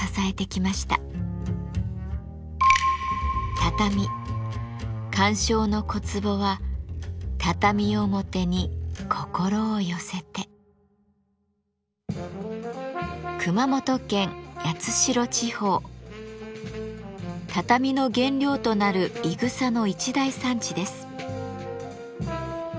畳鑑賞の小壺は畳の原料となるいぐさの一大産地です。